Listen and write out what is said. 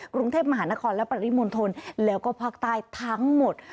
กรุงเทพมหานครและปริมณฑลแล้วก็ภาคใต้ทั้งหมด